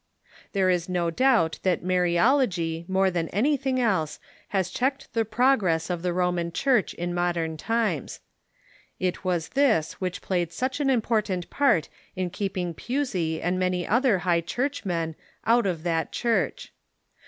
There is no doubt that Mariolatry more than anything else has checked the progress of the Roman Church in modern times. It was this which played such an important part in keeping Pusey and many other High Churchmen out of that Church.